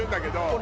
俺。